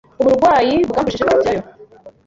Uburwayi bwambujije kujyayo.